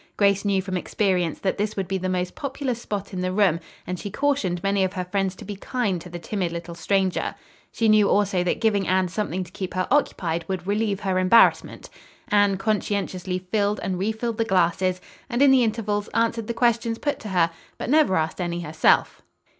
Grace knew from experience that this would be the most popular spot in the room, and she cautioned many of her friends to be kind to the timid little stranger. She knew also that giving Anne something to keep her occupied would relieve her embarrassment. Anne conscientiously filled and refilled the glasses, and in the intervals answered the questions put to her; but never asked any herself.